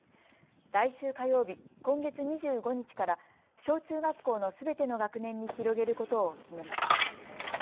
来週火曜日、今月２５日から小中学校のすべての学年に広げることを決めました。